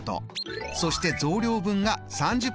そして増量分が３０％。